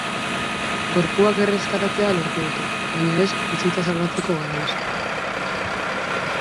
Gorpuak erreskatatzea lortu dute, baina ez bizitza salbatzeko garaiz.